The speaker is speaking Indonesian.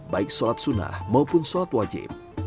baik sholat sunnah maupun sholat wajib